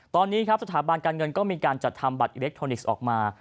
ตอนนี้ครับสถาบันการเงินก็มีการจัดทำบัตรอิเล็กทรอนิกส์ออกมา